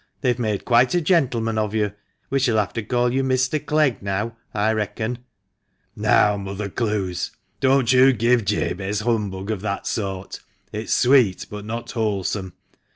They've made quite a gentleman of you. We shall have to call you Mr. Clegg now, I reckon." "Now, Mother Clowes, don't you give Jabez humbug of that sort ; it's sweet, but not wholesome.